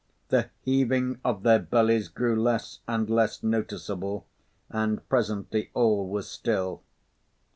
The heaving of their bellies grew less and less noticeable, and presently all was still.